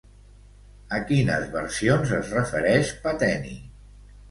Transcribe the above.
A quines versions es refereix Pateni?